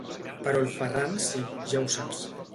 Però el Ferran sí, ja ho saps.